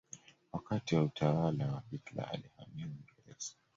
Wakati wa utawala wa Hitler alihamia Uingereza.